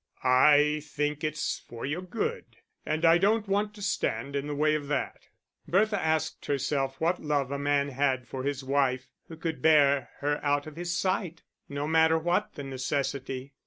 "I think it's for your good and I don't want to stand in the way of that." Bertha asked herself what love a man had for his wife, who could bear her out of his sight, no matter what the necessity.